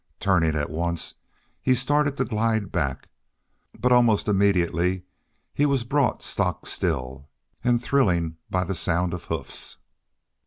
Turning at once, he started to glide back. But almost immediately he was brought stock still and thrilling by the sound of hoofs.